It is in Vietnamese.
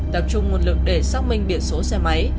tập trung nguồn lực để xác minh biển số xe máy